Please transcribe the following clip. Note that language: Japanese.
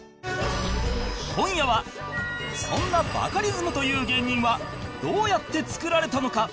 今夜はそんなバカリズムという芸人はどうやって作られたのか